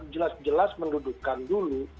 jelas jelas mendudukan dulu